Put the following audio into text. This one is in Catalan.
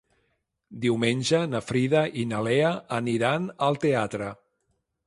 Diumenge na Frida i na Lea aniran al teatre.